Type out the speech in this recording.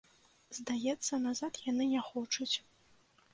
Здаецца, назад яны не хочуць.